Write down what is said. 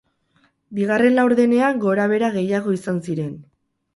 Bigarren laurdenean gorabehera gehiago izan ziren.